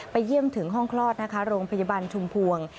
เยี่ยมถึงห้องคลอดนะคะโรงพยาบาลชุมพวง